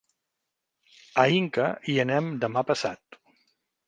A Inca hi anem demà passat.